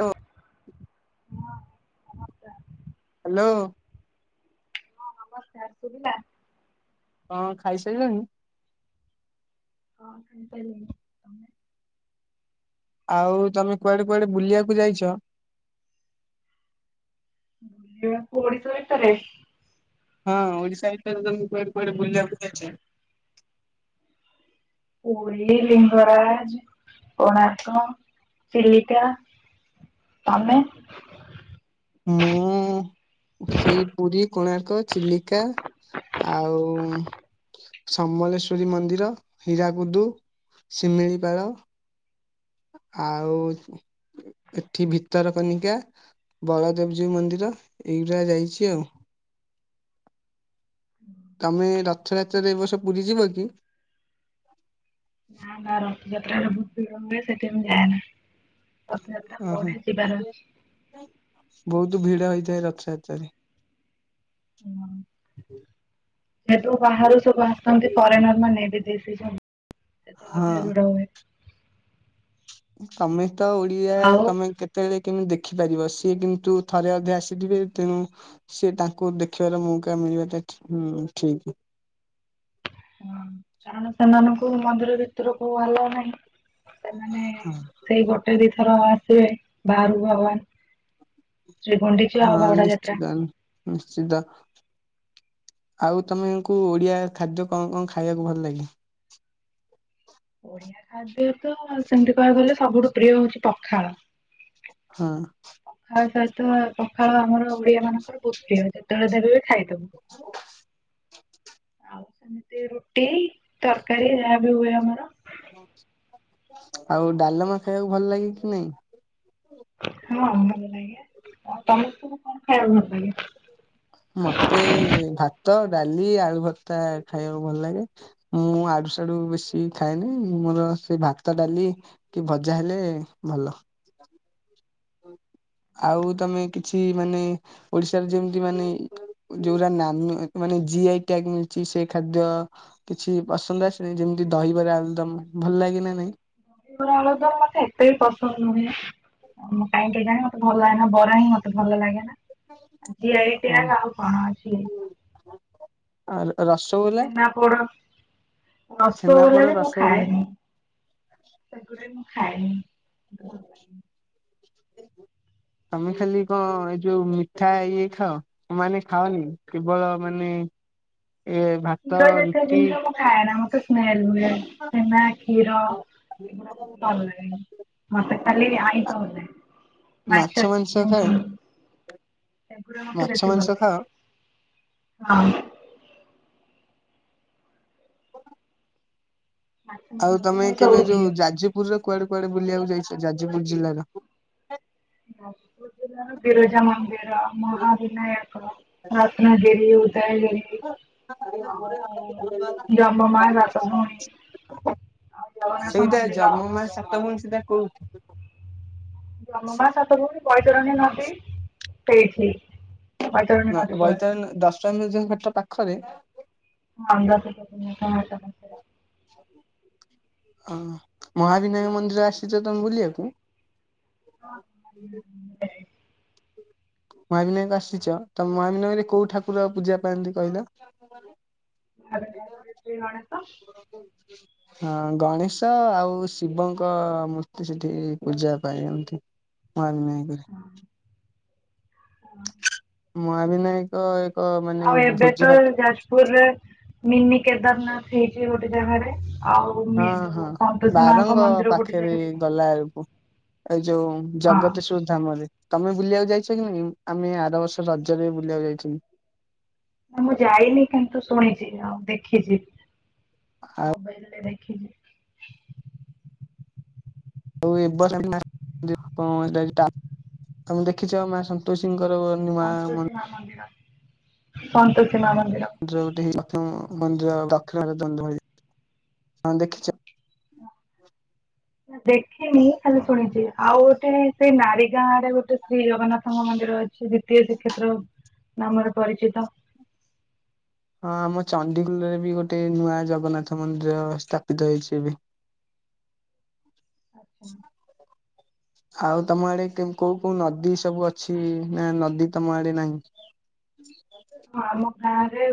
ଓହୋ। ହଁ ନମସ୍କାର ହ୍ୟାଲୋ। ହଁ ନମସ୍କାର ଶୁବିଲା। ହଁ ଖାଇସାରିଲଣି? ହଁ ଖାଇସାରିଲିଣି। ତମେ? ଆଉ ତମେ କୁଆଡେ କୁଆଡେ ବୁଲିବାକୁ ଯାଇଛ? ବୁଲିବାକୁ ଓଡ଼ିଶା ଭିତରେ? ହଁ ଓଡ଼ିଶା ଭିତରେ ତମେ କୁଆଡେ କୁଆଡେ ବୁଲିବାକୁ ଯାଇଚ? ପୁରି ଲିଙ୍ଗରାଜ କୋଣାର୍କ ଚିଲିକା। ତମେ? ମୁଁ ସେଇ ପୁରୀ କୋଣାର୍କ ଚିଲିକା ଆଉ ସମଲେଶ୍ଵରୀ ମନ୍ଦିର ହୀରାକୁଦୁ ଶିମିଳିପାଳ। ଆଉ ଏଠି ଭିତର କନିକା। ବଳଦେବଜୀ ମନ୍ଦିର ଏଇଗଡା ଯାଇଛି ଆଉ। ତମେ ରଥଯାତ୍ରା ରେ ଏବ ବର୍ଷ ପୁରୀ ଯିବ କି? ନା ନା ରଥଯାତ୍ରାରେ ବହୁତ ଭିଡ଼ ହୁଏ ସେଥିପାଇଁ ମୁଁ ଯାଏ ନା। ଓହୋ ଅଛି। ବହୁତ ଭିଡ ହେଇଥାଏ ରଥଯାତ୍ରାରେ। ହୁଁ ଯେହେତୁ ବାହାରୁ ସବୁ ଆସନ୍ତି ଫରେନର ମାନେ ବି ଦିଶିଛନ୍ତି ହଁ [unintelligible] ତମେ ତ ଓଡିଆ ଆଉ ତମେ କେ ସେତେବେଳେ କେମିତି ଦେଖିପାରିବ ସିଏ କିନ୍ତୁ ଥରେ ଅଧେ ଆସିଥିବେ ତେଣୁ ସେ ତାଙ୍କୁ ଦେଖିବାର ମୌକା ମିଳିବା ଟା ଠି ହୁଁ ଠିକି। ହୁଁ କାରଣ ସେମାନଙ୍କୁ ମନ୍ଦିର ଭିତରକୁ ଆଲାଉ ନାହିଁ ସେମାନେ ସେଇ ଗୋଟେ ଦି ଥର ଆସିବେ ବାହାରକୁ ଭଗବାନ। ଶ୍ରୀ ଗୁଣ୍ଡିଚା ହଁ ଆଉ ବାହୁଡ଼ା ଯାତ୍ରା। ନିଶ୍ଚିତ। ନିଶ୍ଚିତ। ଆଉ ତମେକୁ ଓଡିଆ ଖାଦ୍ୟ କଣ କଣ ଖାଇବାକୁ ଭଲ ଲାଗେ? ଓଡିଆ ଖାଦ୍ୟ ତ ସେମିତି କହିବାକୁ ଗଲେ ସବୁଠୁ ପ୍ରିୟ ହଉଛି ପଖାଳ। ହଁ। ତା ସହିତ ପଖାଳ ଆମର ଓଡିଆ ମାନଙ୍କର ବହୁତ ପ୍ରିୟ ଯେତେବେଳେ ଦେବେ ବି ଖାଇଦବୁ। [unintelligible] ଆଉ ସେମିତି ରୁଟି ତରକାରୀ ଯାହା ବି ହୁଏ ଆମର। ଆଉ ଡାଲମା ଖାଇବାକୁ ଭଲ ଲାଗେ କି ନାଇଁ? ହଁ ଭଲ ଲାଗେ ଆଉ ତମକୁ କଣ ଖାଇବାକୁ ଭଲ ଲାଗେ। ମତେ, ଭାତ, ଡାଲି, ଆଳୁ, ଭର୍ତ୍ତା, ଖାଇବାକୁ ଭଲ ଲାଗେ। ମୁଁ ଆଡୁ ସଡୁ ବେଶୀ ଖାଏନି ମୋର ସେ, ଭାତ, ଡାଲି। କି ଭଜା ହେଲେ ଭଲ। ଆଉ ତମେ କିଛି ମାନେ ଓଡିଶାରେ ଯେମିତି ମାନେ ଇ ଯୋଉରା ନାମ ମାନେ ଜିଆଇ ଟ୍ୟାଗ ମିଳଛି ସେ ଖାଦ୍ୟ। କିଛି ପସନ୍ଦ ଆସିନି ଯେମିତି ଦହିବାରେ ଆଳୁ ଦମ ଭଲ ଲାଗେ ନା ନାଇଁ? ଦହିବରା ଆଳୁ ଦମ ମତେ ଏତେ ବି ପସନ୍ଦ ନୁହେଁ। ମୁଁ କାଇଁ କେଜାଣି ମତ ଭଲ ଲାଗେନା ବରା ହିଁ ମତେ ଭଲ ଲାଗେ ନା। ଜିଆଇ ଟ୍ୟାଗ ଆଉ କଣ ଅଛି? ଆଉ ର ରସଗୋଲା। ପୋଡ଼ ରସଗୋଲା ଛେନାପୋଡ ବି ମୁଁ ରସଗୋଲା ଖାଏନି। ସେଗୁଡା ବି ମୁଁ ଖାଏନି। ତମେ ଖାଲି କଣ ଏଇ ଯୋଉ ମିଠା ଇଏ ଖାଅ? ମାନେ ଖାଅନି କେବଳ ମାନେ ଏ ଭାତ କ୍ଷୀର ଯେତେ ରୁଟି ଜିନିଷ ମୁଁ ଖାଏ ନା ମୋତେ ସ୍ମେଲ ହୁଏ ଛେନା କ୍ଷୀର। [unintelligible] ମତେ କାଲି ଆଇଁଷ ଭଲ ଲାଗେ। ମାଛ ମାଂସ ଚିକେନ ଖାଏ [unintelligible] ସେଗୁରା ମତେ ମାଛ ବେଶୀ ଭଲ ମାଂସ ଖାଅ ଲାଗେ ହଁ। ମାଛ ଆଉ ମାଂସ ତମେ ମୋର କେବେ ସବୁଠୁ ଯୋଉ ପ୍ରିୟ। ଯାଜପୁର ର କୁଆଡେ କୁଆଡେ ବୁଲିବାକୁ ଯାଇଛ ଯାଜପୁର ଜିଲ୍ଲାର? ଯାଯପୁର ଜିଲ୍ଲାର ବିରଜା ମନ୍ଦିର ମହା ବିନାୟକ। ରତ୍ନଗିରି ଉଦୟଗିରି। [unintelligible] ଆଉ ଯମମା ସାତ ଭଉଣୀ ଆଉ ଜଗନ୍ନାଥ ସେଇଟା ମନ୍ଦିର ଜମ ମା ସାତ ଭଉଣୀ ସେଟା କୋଉଠି? ବ୍ରହ୍ମମା ସତ ଭଉଣି ବୈତରଣୀ ନଦୀ ସେଇଠି। ବୈତରଣୀ ନାଁ ନଦୀ କୂଳରେ ବୈତରଣୀ ନ ଦଶ ମ୍ୟୁଜିୟମ ଘାଟ ପାଖରେ? ହଁ [unintelligible] ହଁ ମହାବିନାୟକ ମନ୍ଦିର ଆସିଛ ତମେ ବୁଲିବାକୁ? [unintelligible] ମହାବିନାୟକ ଆସିଛ ତ ମହାବିନୟରେ କୋଉ ଠାକୁର ପୂଜା ପାଆନ୍ତି କହିଲ? [unintelligible] କଣଚୁ ହଁ ଗଣେଶ ଆଉ ଶିବଙ୍କ ମୂର୍ତ୍ତି ସେଠି ପୂଜା ପାଇଁ ଏତି। ମୁଁ ଆଡେ ନାଇଁ କରି ହ ହଁ। ମହାବିନାୟକ ଏକ ମାନେ ଭୋଜି ଭାତ ପୁରରେ ମିନି କେଦାରନାଥ ହେଇଛି ଗୋଟେ ଜାଗାରେ ଆଉ ହଁ ମି- ଯୋଉ ହଁ ସନ୍ତୋଷୀ ମାଙ୍କ ବାରଙ୍ଗ ମନ୍ଦିର ଗୋଟେ ପାଖରେ ଜାଗାରେ ହେଇଛି ଗଲା ଆଳକୁ। ଏଇ ଯୋଉ ହଁ ଜଗତ ସୁଧାମରେ, ତମେ ବୁଲିବାକୁ ଯାଇଛ କି ନାଇଁ ଆମେ ଆର ବର୍ଷ ରଜରେ ବୁଲିବାକୁ ଯାଇଥିଲୁ। ନା ମୁଁ ଯାଇନି କିନ୍ତୁ ଶୁଣିଛି ଆଉ ଦେଖିଛି, ମୋବାଇଲରେ ଦେଖିଛି। ଆଉ ଏ ବର୍ଷ ଏଇଟା ତମେ ଦେଖିଛ ମା ସନ୍ତୋଷୀଙ୍କର ନୂଆ ସନ୍ତୋଷୀ ମା ମନ୍ଦିର ସନ୍ତୋଷୀ ମା ମନ୍ଦିର ନା, ଯୋଉଟି ଯେଉଁ ମନ୍ଦିର ଦକ୍ଷିଣରେ ଜନ୍ଦ ହେଇ ତମେ ଦେଖିଛ? ଦେଖିନି ଖାଲି ଶୁଣିଛି ଆଉ ଗୋଟେ ସେଇ ନାରୀ ଗାଁ ରେ ଗୋଟେ ଶ୍ରୀ ଜଗନ୍ନାଥଙ୍କ ମନ୍ଦିର ଅଛି। ସେ ଦ୍ୱିତୀୟ ଶ୍ରୀକ୍ଷେତ୍ର ନାମରେ ପରିଚିତ। ହଁ ଆମ ଚଣ୍ଡିଖୋଲରେ ବି ଗୋଟେ ନୂଆ ଜଗନ୍ନାଥ ମନ୍ଦିର ସ୍ଥାପିତ ହେଇଛି ଏବେ। ଆଚ୍ଛା। [inaudible] ଆଉ ତମ ଆଡେ କୋଉ କୋଉ ନଦୀ ସବୁ ଅଛି ନା ନଦୀ ତମ ଆଡେ ନାହିଁ? ହଁ ଆମ ଗାଁ ରେ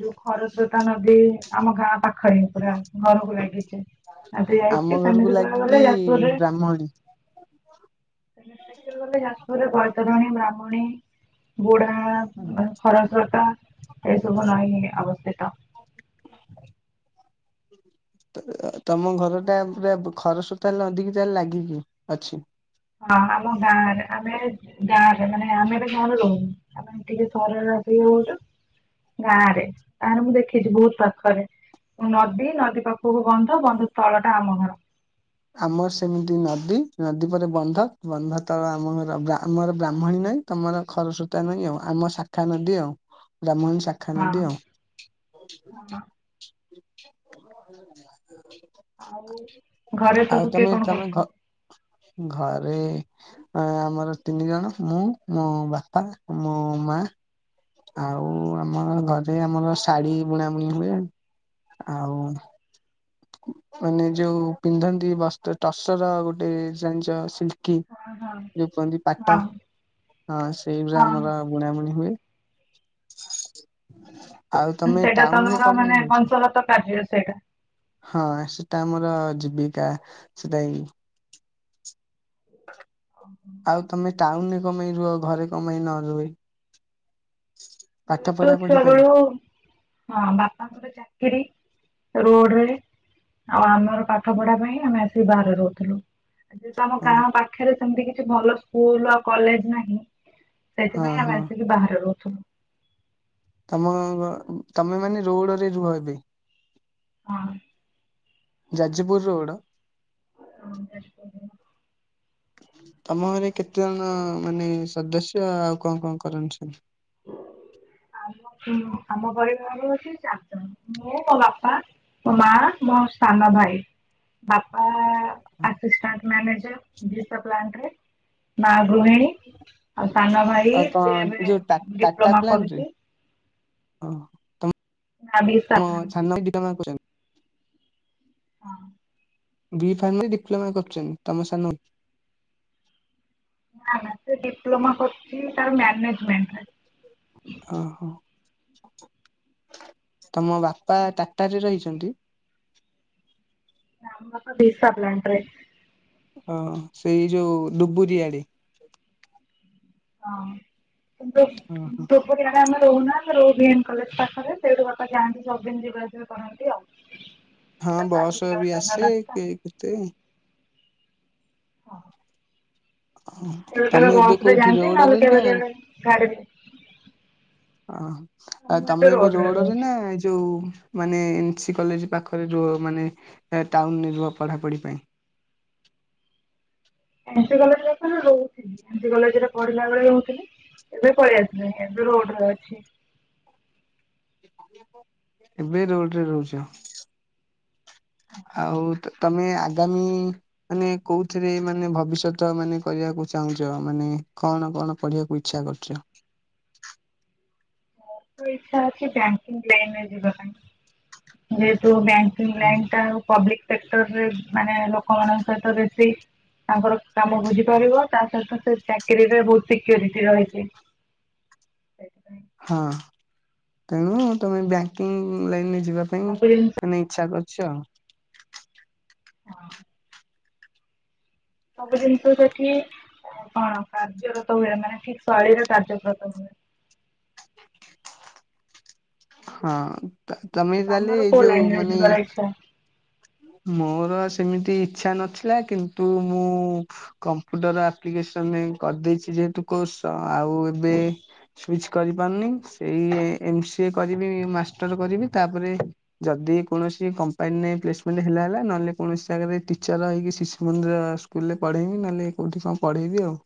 ଯୋଉ ଖରସୋତା ନଦୀ ଆମ ଗାଁ ପାଖରେ ପୁରା ଘରକୁ ଲାଗିଛି। ଆଜି ଯାଇଛି ସେମିତି କହିଆକୁ ଗଲେ ଯାଜପୁର ରେ ମଣି ଗଲେ ଯାଜପୁରରେ ବୈତରଣୀ, ବ୍ରାହ୍ମଣୀ, ବୁଡା ମାନେ ଖରସ୍ରୋତା ଏହି ସବୁ ନଈ ଅବସ୍ଥିତ। [unintelligible] ତମ ଘରଟା ପୁର ଖରସ୍ରୋତା ନଦୀକୁ ତାଲେ ଲାଗିକି ଅଛି? ହଁ ଆମ ଗାଁରେ ଆମେ ଗାଁରେ ମାନେ ଆମେ ଏବେ ଘରେ ରହୁନୁ। ଆମେ ଟିକେ ସହରରେ ଆସିକି ବୋତ ଗାଁ ରେ ତାହେଲେ ମୁଁ ଦେଖିଛି ବହୁତ ପାଖରେ ନଦୀ ନଦୀ ପାଖକୁ ବନ୍ଧ ବନ୍ଧ ତଳଟା ଆମ ଘର। ଆମର ସେମିତି ନଦୀ, ନଦୀ ପରେ ବନ୍ଧ, ବନ୍ଧ ତଳ ଆମର ଆମର ବ୍ରାହ୍ମଣୀନଈ ତମର ଖରସ୍ରୋତା ନଈ ଆଉ ଆମ ଶାଖା ନଦୀ ଆଉ ବ୍ରାହ୍ମଣୀ ସା ଖା ହଁ ନଦୀ ଆଉ ହଁ ଆଉ ଘରେ ଆଉ ସବୁ କିଏ ତମେ କଣ ତମେ ଘ କରୁଛନ୍ତି? ଘରେ ଆମର ତିନି ଜଣ ମୁଁ ମୋ ବାପା, ମୋ ମା ଆଉ ଆମ ଘରେ ଆମର ଶାଢୀ ବୁଣା ବୁଣି ହୁଏ ଆଉ ମାନେ ଯୋଉ ପିନ୍ଧନ୍ତି ବସ ଟସର ଗୋଟେ ଜାଣିଛ କି ହଁ ହଁ ଯୋଉ କୁହନ୍ତି ପାଟ ହଁ ହଁ ସେଇ ଗୁରା ହଁ ଆମର ବୁଣାବୁଣି ହୁଏ, ଆଉ ତମେ ଟାଉନରେ କଣ ପାଇଁ ରହୁଛ? ତ କାର୍ଯ୍ୟ ସେଇଟା ହଁ ସେଟା ଆମର ଜୀବିକା, ସେଟା ଇ ଓହୋ। ଆଉ ତମେ ଟାଉନରେ କଣ ପାଇଁ ରୁହ ଘରେ କଣ ପାଇଁ ନରହି? ଯେହେତୁ ପଢା ପଢି ଛୁଆ ପାଇଁ ବେଳୁ ହଁ ବାପାଙ୍କର ଚାକରି ରୋଡ଼ରେ ଆଉ ଆମର ପାଠ ପଢା ପାଇଁ ଆମେ ଆସିକି ବାହାରେ ରହୁଥିଲୁ। ଆଉ ଯେହେତୁ ଆମ ଓ ଗାଁ ପାଖରେ ସେମତି କିଛି ଭଲ ସ୍କୁଲ ଆଉ କଲେଜ ନାହିଁ। ହଁ ସେଇଥିପାଇଁ ଆମେ ହଁ ଆସିକି ବାହାରେ ରହୁଥୁନୁ। ତମ ଘ ତମେମାନେ ରୋଡରେ ରୁହ ଏବେ? ହଁ। ଯାଜପୁର ରୋଡ? ଯାଜପୁରରେ। ତମ ଘରେ କେତେ ଜଣ ମାନେ ସଦସ୍ୟ ଆଉ କଣ କଣ କରନ୍ତି ସବୁ। ଆମ ପରିବାରୁ ଅଛି ଚାରି ଜଣ ମୁଁ ମୋ ବାପା ମୋ ମାଆ ମୋ ସାନଭାଇ। ବାପା ଆସିଷ୍ଟାଣ୍ଟ ମ୍ୟାନେଜର ଦିଟା ପ୍ଲାଣ୍ଟରେ। ମା ଗୃହିଣୀ ଆଉ ସାନ ଭାଇ ଆଉ ସିଏ ଏବେ ଡିପ୍ଲୋମା କରୁଚି। ଓହୋ ନା ବି ତମ ସାରିଲାଣି ସାନ ଭାଇ ଡିପ୍ଲୋମା କରୁଚନ୍ତି। ହଁ। ଡି ଫାର୍ମରେ ଡିପ୍ଲୋମା କରୁଚନ୍ତି ତମ ସାନଭାଇ। ନା ନା ସେ ଡିପ୍ଲୋମା କରୁଚି ତାର ମ୍ୟାନେଜମେଣ୍ଟରେ। ଓହୋ ତମ ବାପା ଟାଟାରେ ରହିଚନ୍ତି? ନା ମୋ ବାପା ଦିସା ପ୍ଲାଣ୍ଟରେ। ଅ ସେଇ ଯୋଉ ଡୁବୁରି ଆଡେ। ଅଁ କିନ୍ତୁ ଓହୋ ଡୁ ବୁରୁ ଆଡେ ଆମେ ରହୁନା ଆମେ ରହୁ ଭିଏମ୍ କଲେଜ ପାଖରେ ସେଇଠୁ ବାପା ଯାଆନ୍ତି ସବୁଦିନ ଯିବା ଆସିବା କ ରନ୍ତି ଆଉ। ହଁ ସାତ ଆଠ ବସ ବି କିଲୋମିଟର ଆସେ ରାସ୍ତା କି କେତେ? ହଁ। ହଁ କେବେ କେବେ ତମେ ଏବେ ବସ ରେ କୋଉଠି ଯାଆନ୍ତି ନହେଲେ ରୋଡ଼ରେ ନା? କେବେ କେବେ ଗାଡିରେ ଅହଁ ଆଉ ତମେ ଏବେ ରୋଡରେ ନା ଏ ଯୋଉ ମାନେ ଏନ୍ ସି କଲେଜ ପାଖରେ ରୁହ ମାନେ ଟାଉନରେ ରୁହ ପଢ଼ାପଢ଼ି ପାଇଁ। ଏନ୍ ସି କଲେଜରେ ତ ରହୁଥିଲି ଏନ୍ ସି କଲେଜରେ ପଢିଲା ବେଳେ ରହୁଥିଲି ଏବେ ପଳିଆସନି ଏବେ ରୋଡରେ ଅଛି। ଏବେ ରୋଡରେ ରହୁଚୁ। ଆଉ ତ ତମେ ଆଗାମୀ ମାନେ କୋଉଥିରେ ମାନେ ଭବିଷ୍ୟତ ମାନେ କରିବାକୁ ଚାହୁଁଚ ମାନେ କଣ କଣ ପଢିବାକୁ ଇ ଇଚ୍ଛା କରୁଚ? ମୋର ତ ଇଛା ଅଛି ବ୍ୟାଙ୍କିଙ୍କି ଲାଇନ୍ ଯିବାପାଇଁ ଯେହେତୁ ବ୍ୟାଙ୍କ୍ ହଁ ଲାଇନଟା ଆଉ ପବ୍ଲିକସେକ୍ଟରରେ ମାନେ ଲୋକମାନଙ୍କ ସହିତ ବେଶୀ ତାଙ୍କର କାମ ଭୋଜି କରିବ ତା ସହିତ ସେ ଚାକିରିରେ ବୋହୁତ ସିକ୍ୟୁରିଟି ରହିଚି। ହଁ ତେଣୁ ତୁମେ ବ୍ୟାଙ୍କିଙ୍କି ଲାଇନରେ ଯିବାପାଇଁ ସବୁ ଜିନିଷ ମାନେ ଇଚ୍ଛା କର ଚ [unintelligible] ସବୁ ଜିନିଷ ସେଠି କଣ କାର୍ଯ୍ୟରତ ହୁଏ ମାନେ ଠିକ ଶୈଳୀରେ କାର୍ଯ୍ୟରତ ହୁଏ। ହଁ ତ ତମେ ତାହେଲେ ତମର କୋଉ ଏଇଯୋଉ ଲାଇନରେ ମାନେ ଯିବାର ଇଚ୍ଛା? ମୋର ସେମିତି ଇଚ୍ଛା ନଥିଲା କିନ୍ତୁ ମୁଁ କମ୍ପୁଟର ଆପ୍ଲିକେସନ ଏଇ କରିଦେଇଚି ଯେହେତୁ କୋର୍ସ ଆଉ ଏବେ ସୁଇଚ କରିପାରୁନି ସେଇ ଏମ୍ ସି ଏ କରିବି ମାଷ୍ଟର କରିବି ତାପରେ ଯଦି କୌଣସି କମ୍ପାନୀରେ ପ୍ଲେସମେଣ୍ଟ ହେଲା ହେଲା ନହେଲେ କୌଣସି ଜାଗାରେ ଟିଚର ରହିକି ଶିଶୁ ମନ୍ଦିର ସ୍ ସ୍କୁଲରେ ପଢ଼େଇମି ନହେଲେ କୋଉଠି କଣ ପଢେଇବି ଆଉ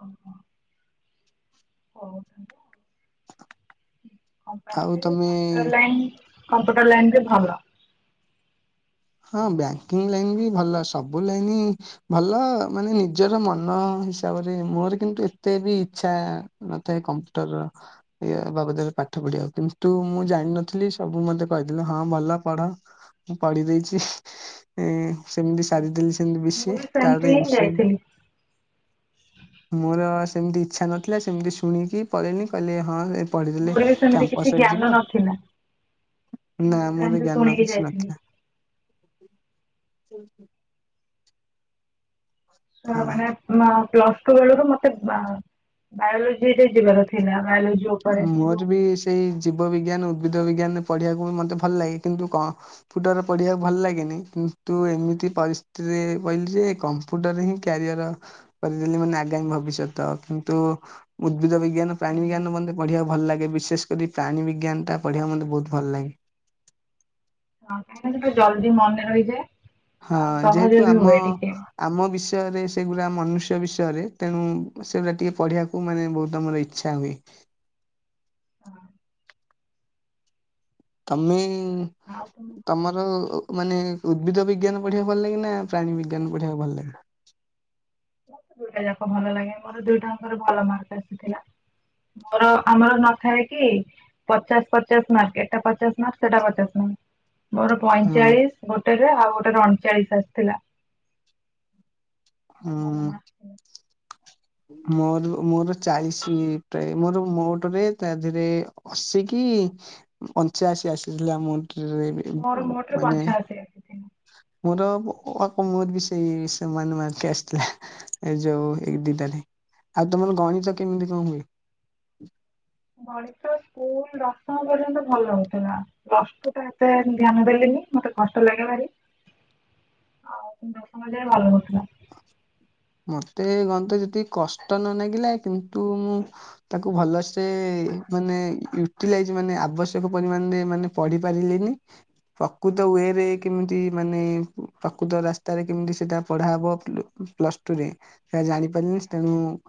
ଓହୋ। ଓ ହୋ। ଆଉ ଯେ ତମେ କମ୍ପ୍ୟୁଟର ଲାଇନ୍ କମ୍ପ୍ୟୁଟର ଲାଇନରେ ଭଲ ହଁ ବ୍ୟାଙ୍କିଙ୍କି ଲାଇନ ବି ଭଲ ସବୁ ଲାଇନ ଭଲ ମାନେ ନିଜର ମନ ହିସାବରେ ମୋର କିନ୍ତୁ ଏତେ ବି ଇଚ୍ଛା ମତେ ଏ କମ୍ପ୍ୟୁଟର ଏ ବାବଦରେ ପାଠ ପଢିବା କିନ୍ତୁ ମୁଁ ଜାଣିନଥିଲି ସବୁ ମତେ କହିଦେଲେ ହଁ ଭଲ ପଢ ମୁଁ ପଢ଼ି ଦେଇଛି। ସେମିତି ଏ ସାରିଦେଲି ମୁଁ ବିସି ବି ତା ସେମିତି ପରେ ହିଁ ଏମସି ଯାଇଥିଲି ମୋର ସେମିତି ଇଚ୍ଛାନଥିଲା ସେମିତି ଶୁଣିକି ପଳେଇଲି କହିଲେ ହଁ ପଢିଦେଲେ ମୋର ବି ସେମିତି କିଛି କ୍ୟାମ୍ପସ ହେଇ ଜ୍ଞାନ ଯିବ ନଥିଲା। ମୁଁ ନା ବି ମୋର ସେମିତି ଜ୍ଞାନ ଶୁଣିକି କିଛି ଯାଇଥିଲି ନଥିଲା। ହୁଁ ହୁଁ। ହ ହଁ। ମାନେ ମ ପ୍ଲସ ଟୁ ବେଳକୁ ମତେ ବା ବାୟୋଲୋଜିରେ ଯିବାର ଥିଲା ବାୟୋଲୋଜି। ଉପରେ କିନ୍ତୁ ମୋର ବି ସେଇ ଜୀବ ବିଜ୍ଞାନ ଉଦ୍ଭିଦ ବିଜ୍ଞାନ ପଢିବାକୁ ମତେ ଭଲ ଲାଗେ କିନ୍ତୁ କଅ ଫୁଟରେ ପଢିବାକୁ ଭଲ ଲାଗେନି କିନ୍ତୁ ଏମିତି ପରିସ୍ଥିତିରେ କହିଲି ଯେ କମ୍ କମ୍ପ୍ୟୁଟର ହିଁ କ୍ୟାରିଅର। କରିଦେଲି ମାନେ ଆଗାମୀ ଭବିଷ୍ୟତ କିନ୍ତୁ ଉଦ୍ଭିଦ ବିଜ୍ଞାନ ପ୍ରାଣୀ ହଁ ବିଜ୍ଞାନ ବ ପଢ଼ିବାକୁ ଭଲ ଲାଗେ ବିଶେଷ କରି ପ୍ରାଣୀ ବିଜ୍ଞାନ ଟା ପଢ଼ିବାକୁ ମୋତେ ବହୁତ ଭଲ ଲାଗେ। ହଁ କାହିଁକି ସେଟା ଜଲଦି ମନେ ରହିଯାଏ ହଁ ଆଉ ସହଜ ଯେହେତୁ ବି ଆମ ହୁଏ ଟିକେ। ଆମ ବିଷୟରେ ସେଗୁଡା ମନୁଷ୍ୟ ବିଷୟରେ ତେଣୁ ସେଗୁଡା ଟିକେ ପଢିବାକୁ ମାନେ ବହୁତ ଆମର ଇ ଇଚ୍ଛା ହୁଏ। ଆଉ ତମେ ତମକୁ ତମର - ମାନେ ଉଦ୍ଭିଦ ବିଜ୍ଞାନ ପଢିବାକୁ ଭଲ ଲାଗେ ନା ପ୍ରାୀ ବିଜ୍ଞାନ ପଢିବାକୁ ଭଲ ଲାଗେ? ମୋତ ଦୁଇଟା ଯାକ ଭଲ ଲାଗେ ମୋର ଦୁଇଟା ଙ୍କର ଭଲ ମାର୍କ ଆସିଥିଲା। ମୋର ଆମର ନଥାଏ କି? ପଚାଶ ପଚାଶ ମାର୍କ ଏଟା ପଚାଶ ମାର୍କ ସେଟା ପଚାଶ ମାର୍କ। ମୋର ହଁ ପଇଁଚାଳିଶ ଗୋଟେରେ ଆଉ ଗୋଟେରେ ଅଣଚାଳିଶ ଆସିଥିଲା। ହଁ। ଭଲ ମାର୍କ ଥିଲା ମୋର ମୋର ଚାଳିଶ ପ୍ରାୟ ମୋର ମୋଟରେ ତା ଦେହରେ ଅଶୀ କି ପଞ୍ଚାଅଶୀ ଆସିଥିଲା ମୋ। [inaudible] ମୋର ମୋଟରେ ପଞ୍ଚା ଅଶି। ମୋର ଅ [inaudible] ସେଇ ସମାନ ମାର୍କ ଆସିଥିଲା। ଏଇ ଯୋଉ ଏଇ ଦିଟ ଆଉ ତମର ଗଣିତ କେମିତି କଣ ହୁଏ? ଗଣିତ ସ୍କୁଲ ଦଶମ ପର୍ଯ୍ୟନ୍ତ ଭଲ ହଉଥିଲା। କଷ୍ଟ ଟା ଏତେ ଧ୍ୟାନ ଦେଲିନି ମତେ କଷ୍ଟ ଲାଗେଭାରୀ। ଆଉ ସେ ଦଶମ ଯାଏ ଘରେ ରହୁଥିଲା। ମତେ ଗଣିତ ଯେତିକି କଷ୍ଟ ନ ଲାଗିଲା କିନ୍ତୁ ତାକୁ ଭଲସେ ମାନେ ୟୁଟିଲାଇଜ ମାନେ ଆବଶ୍ୟକ ପରିମାଣରେ ମାନେ ପଢି ପାରିଲିନି। ପ୍ରକୃତ ୱେରେ କେମିତି ମାନେ ପ୍ରକୃତ ରାସ୍ତାରେ କେମିତି ସେଟା ପଢାହବ। ପ୍ଲସ ଟୁ ରେ ସେଟା ଜାଣିପାରିଲିନି ତେଣୁ